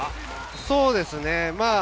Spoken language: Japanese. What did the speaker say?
そうですね。